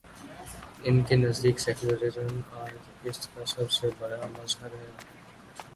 ان کے نزدیک سیکولرازم، آج اس کا سب سے بڑا مظہر ہے۔